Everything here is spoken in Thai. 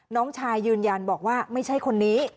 น้องชายยืนยันบอกว่าไม่ใช่คนนี้